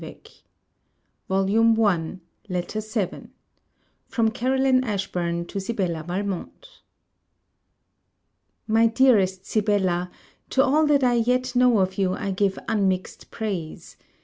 SIBELLA VALMONT LETTER VII FROM CAROLINE ASHBURN TO SIBELLA VALMONT My dearest Sibella, To all that I yet know of you, I give unmixed praise.